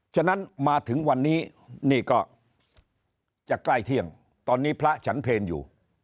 ฉะนั้นมาถึงวันนี้นี่ก็จะใกล้เที่ยงตอนนี้พระฉันเพลอยู่